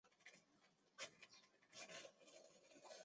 刺多肉味美。